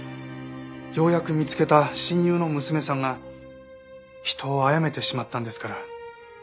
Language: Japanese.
ようやく見つけた親友の娘さんが人を殺めてしまったんですから。